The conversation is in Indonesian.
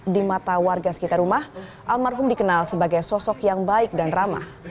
di mata warga sekitar rumah almarhum dikenal sebagai sosok yang baik dan ramah